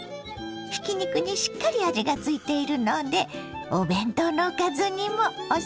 ひき肉にしっかり味がついているのでお弁当のおかずにもおすすめです。